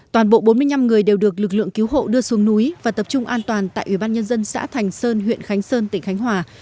toàn bộ bốn mươi năm người đều được lực lượng cứu hộ đưa xuống núi và tập trung an toàn tại ủy ban nhân dân xã thành sơn huyện khánh sơn tỉnh khánh hòa